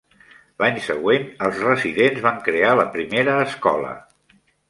L"any següent, els residents van crear la primera escola.